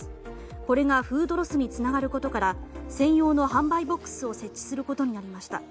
これがフードロスにつながることから専用の販売ボックスを設置することになりました。